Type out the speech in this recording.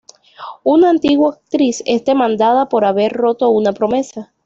Una antigua actriz es demandada por haber roto una promesa.